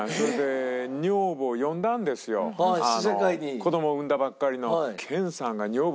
子供を産んだばっかりの。